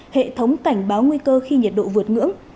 hệ thống cảnh báo nguy cơ khi nhiệt độ vượt ngưỡng